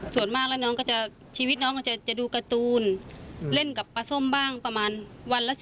ส่วนมากแล้วน้องก็จะชีวิตน้องก็จะดูการ์ตูนเล่นกับปลาส้มบ้างประมาณวันละ๑๐